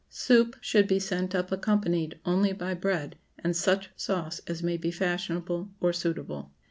Soup should be sent up accompanied only by bread, and such sauce as may be fashionable or suitable.